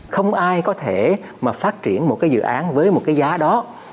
không ai có thể mà phát triển một cái dự án với một cái giá đó